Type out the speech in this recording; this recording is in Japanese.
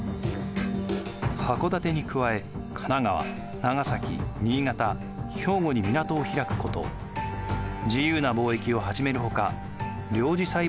箱館に加え神奈川・長崎・新潟・兵庫に港を開くこと自由な貿易を始めるほか領事裁判権を認めること